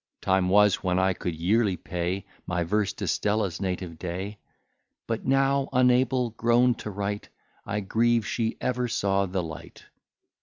Time was, when I could yearly pay My verse to Stella's native day: But now unable grown to write, I grieve she ever saw the light.